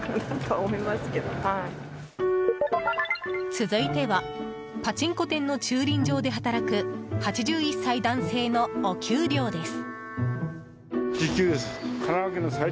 続いてはパチンコ店の駐輪場で働く８１歳男性のお給料です。